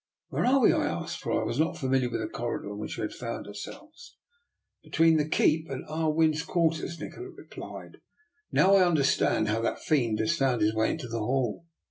^'* Where are we? " I asked, for I was not familiar with the corridor in which we found ourselves. '* Between the keep and Ah Win's quar ters," Nikola replied. *' Now I understand how that fiend has found his way into the hall.